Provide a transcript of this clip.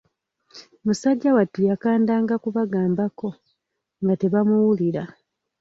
Musajja wattu yakandanga kubagambako, nga tebamuwulira.